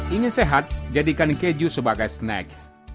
ingin sehat jadikan keju sebagai snack